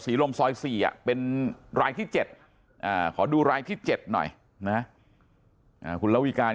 ลมซอย๔เป็นรายที่๗ขอดูรายที่๗หน่อยนะคุณละวิการ